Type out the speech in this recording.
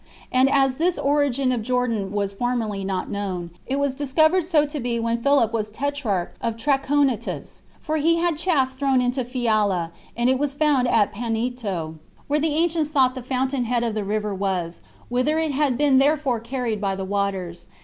And as this origin of Jordan was formerly not known, it was discovered so to be when Philip was tetrarch of Trachonitis; for he had chaff thrown into Phiala, and it was found at Paninto, where the ancients thought the fountain head of the river was, whither it had been therefore carried [by the waters].